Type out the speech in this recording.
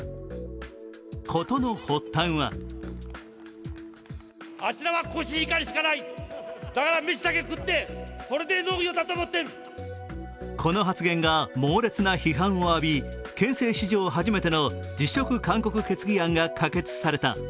事の発端はこの発言が猛烈な批判を浴び、県政史上初めての辞職勧告決議案が可決された。